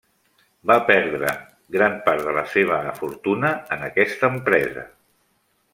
Va perdre gran part de la seva fortuna en aquesta empresa.